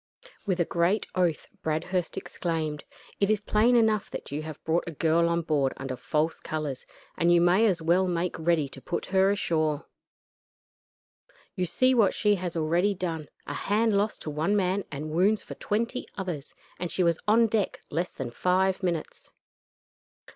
With a great oath Bradhurst exclaimed: "It is plain enough that you have brought a girl on board under false colors, and you may as well make ready to put her ashore. You see what she has already done a hand lost to one man and wounds for twenty others and she was on deck less than five minutes.